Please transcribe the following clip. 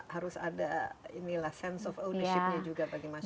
harus ada inilah sense of ownership nya juga bagi masyarakat